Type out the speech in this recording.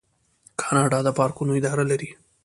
کاناډا د پارکونو اداره لري.